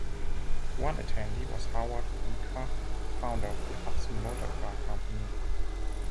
One attendee was Howard E. Coffin, founder of the Hudson Motor Car Company.